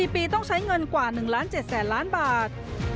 ๔ปีต้องใช้เงินกว่า๑๗๐๐๐๐๐บาท